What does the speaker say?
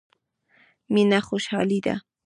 مينه خوشالي ده.